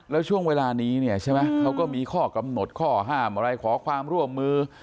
แล้วช่วงเวลานี้เนี่ยใช่ไหมเขาก็มีข้อกำหนดข้อห้ามอะไรขอความร่วมมือ